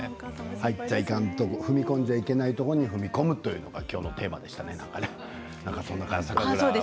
入っちゃいかんところ踏み込んじゃいかんところに踏み込むというのが今日のテーマでしたね。